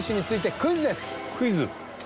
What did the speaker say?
クイズ？